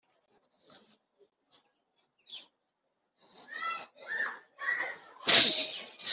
Umubwirizabutumwa aramubaza ati: “ubwo umeze utyo, ni iki kiguhagaritse aho?